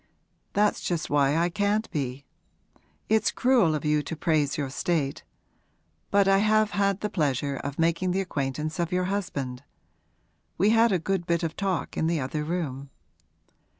'That's just why I can't be. It's cruel of you to praise your state. But I have had the pleasure of making the acquaintance of your husband. We had a good bit of talk in the other room.'